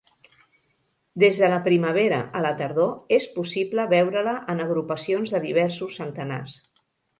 Des de la primavera a la tardor és possible veure-la en agrupacions de diversos centenars.